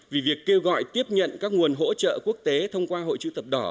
vì việc kêu gọi tiếp nhận các nguồn hỗ trợ quốc tế thông qua hội chữ thập đỏ